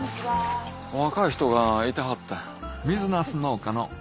お若い人がいてはったんや。